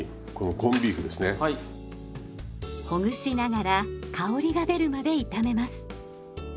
ほぐしながら香りが出るまで炒めます。